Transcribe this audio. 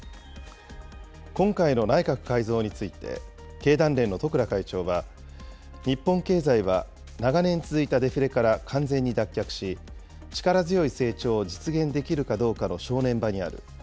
今回の内閣改造について、経団連の十倉会長は、日本経済は長年続いたデフレから完全に脱却し、力強い成長を実現できるかどうかの正念場にある。